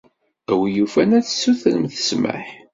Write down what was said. A win yufan ad tessutremt ssmaḥ.